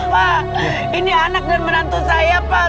wah ini anak dan menantu saya pak